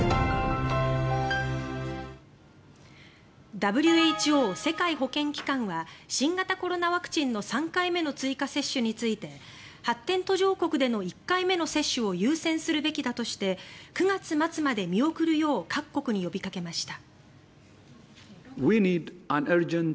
ＷＨＯ・世界保健機関は新型コロナワクチンの３回目の追加接種について発展途上国での１回目の接種を優先するべきだとして９月末まで見送るよう各国に呼びかけました。